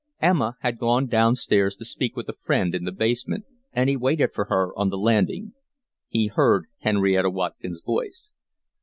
Emma had gone downstairs to speak with a friend in the basement, and he waited for her on the landing. He heard Henrietta Watkin's voice.